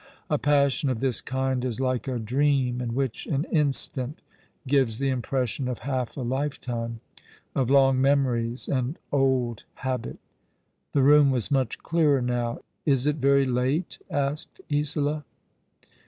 A passion of this kind is like a dream, in which an instant gives the impression of half a lifetime, of long memories and old habit. The room was mnch clearer now. " Is it very late ?" asked Isola.